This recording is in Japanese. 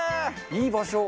いい場所！